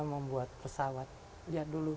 membuat pesawat lihat dulu